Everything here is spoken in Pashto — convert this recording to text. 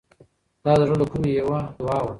دا د زړه له کومې یوه دعا وه.